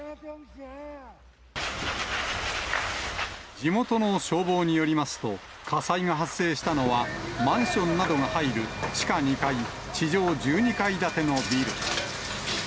地元の消防によりますと、火災が発生したのは、マンションなどが入る地下２階、地上１２階建てのビル。